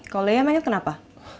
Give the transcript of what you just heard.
kalau leia mengerti kenapa